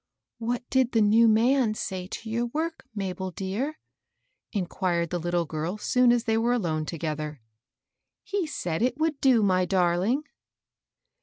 " What did the new man say to your work, Mabel dear ?" inquired the Uttle girl soon as they were alone together. "He said it would do, my darhng."